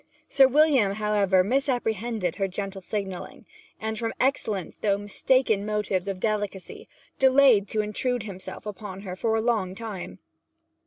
Sir William, however, misapprehended her gentle signalling, and from excellent, though mistaken motives of delicacy, delayed to intrude himself upon her for a long time.